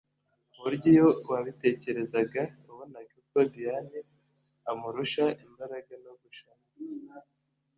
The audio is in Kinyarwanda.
ku buryo iyo wabitegerezaga wabonaga ko Diane amurusha imbaraga no gushabuka